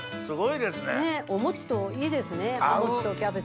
ねっお餅といいですね。